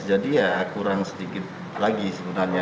jadi ya kurang sedikit lagi sebenarnya